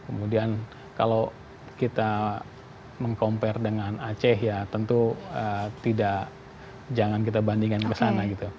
kemudian kalau kita men educational dengan aceh ya tentu tidak jangan kita bandingkan kesana gitu